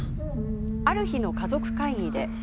ある日の家族会議で。